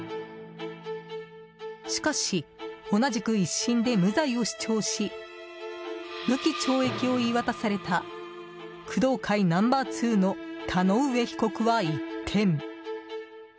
しかし、同じく１審で無罪を主張し無期懲役を言い渡された工藤会ナンバー２の田上被告は一転。